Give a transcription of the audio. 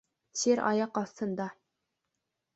Сир аяҡ аҫтында.